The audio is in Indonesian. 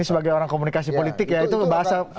sebagai orang komunikasi politik ya itu bahasa